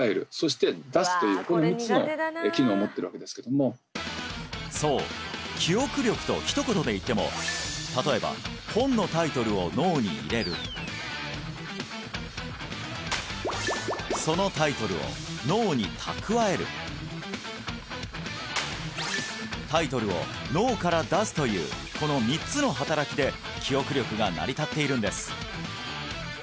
最後は覚えるためにはそう記憶力とひと言で言っても例えば本のタイトルを脳に入れるそのタイトルを脳に蓄えるタイトルを脳から出すというこの３つの働きで記憶力が成り立っているんです